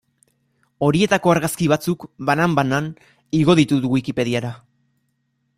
Horietako argazki batzuk, banan-banan, igo ditut Wikipediara.